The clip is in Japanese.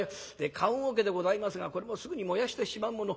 「棺おけでございますがこれもすぐに燃やしてしまうもの。